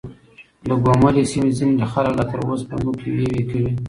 د ګوملې سيمې ځينې خلک لا تر اوسه په ځمکو کې يوې کوي .